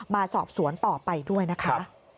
มาสอบสวนต่อไปด้วยนะคะ